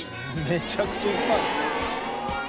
めちゃくちゃいっぱい。